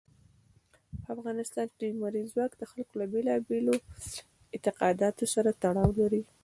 په افغانستان کې لمریز ځواک د خلکو له بېلابېلو اعتقاداتو سره تړاو لري.